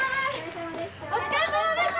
お疲れさまでした。